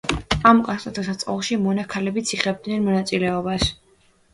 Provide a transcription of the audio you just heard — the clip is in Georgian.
ამ უკანასკნელ დღესასწაულში მონა ქალებიც იღებდნენ მონაწილეობას.